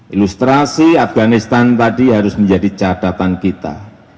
ilustrasi afghanistan tadi harus menjadi cadatan kita